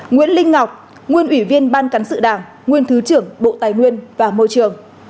nguyễn linh ngọc nguyên ủy viên ban cán sự đảng nguyên thứ trưởng bộ tài nguyên và môi trường